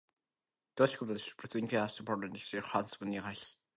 Softer lead tends to break easier when a pencil is sharpened.